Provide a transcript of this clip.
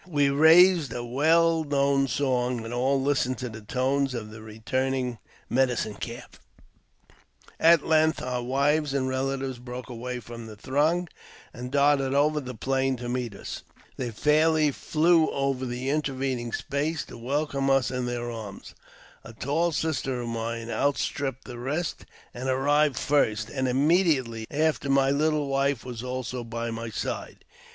We raised a well known song, and all listened to the tones of the returning Medicine Calf. At length our wives and relatives broke away from the throng, and darted over the plain to meet us. They fairly flew over the intervening space to welcome us in their arms. A tall sister of mine outstripped the rest, and arrived first, and immediately after my little wife was also by my side.